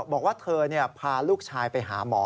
บอกว่าเธอพาลูกชายไปหาหมอ